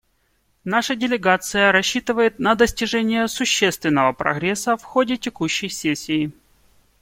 Наша делегация рассчитывает на достижение существенного прогресса в ходе текущей сессии.